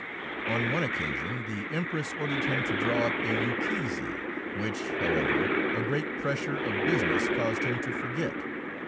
On one occasion the Empress ordered him to draw up a ukase, which, however, a great pressure of business caused him to forget.